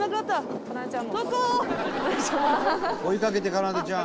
「追いかけてかなでちゃん」